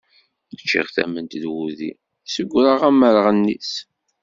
Ččiɣ tament d wudi, ssegreɣ amerɣennis.